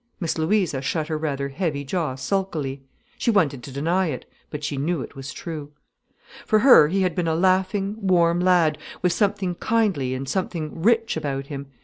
Miss Louisa shut her rather heavy jaw sulkily. She wanted to deny it, but she knew it was true. For her he had been a laughing, warm lad, with something kindly and something rich about him.